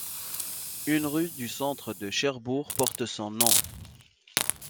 Une rue du centre de Cherbourg porte son nom.